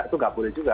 itu tidak boleh juga